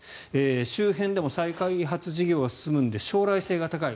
周辺でも再開発事業が進むんで将来性が高い。